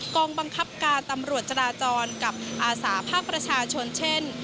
กองบังคับการตำรวจจราจรกับอาสาภาคประชาชนเช่น